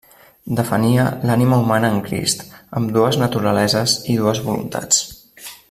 Defenia l'ànima humana en Crist, amb dues naturaleses i dues voluntats.